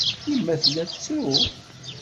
Yemma tella tettru.